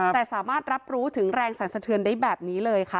แต่สามารถรับรู้ถึงแรงสรรสะเทือนได้แบบนี้เลยค่ะ